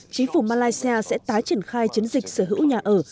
chính phủ malaysia sẽ tái triển khai chiến dịch sở hữu nhà ở